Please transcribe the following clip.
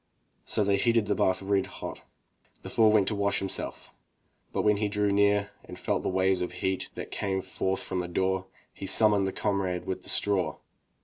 So they heated the bath red hot. The fool went to wash himself, but when he drew near and felt the waves of heat that came forth from the door, he summoned the comrade with the straw.